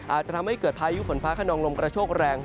อาจจะทำให้เกิดพายุฝนฟ้าขนองลมกระโชคแรง